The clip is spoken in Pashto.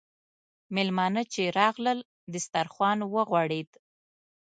میلمانه چې راغلل، دسترخوان وغوړېد.